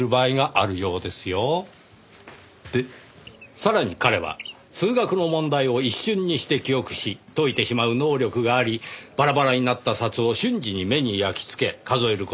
さらに彼は数学の問題を一瞬にして記憶し解いてしまう能力がありバラバラになった札を瞬時に目に焼きつけ数える事が出来た。